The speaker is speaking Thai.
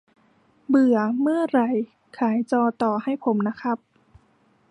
เบื่อ เมื่อไหร่ ขายจอต่อให้ผมนะครับ